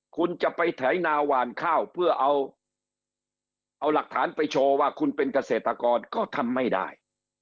คุณจะไปไถนาหวานข้าวเพื่อเอาหลักฐานไปโชว์ว่าคุณเป็นเกษตรกรก็ทำไม่ได้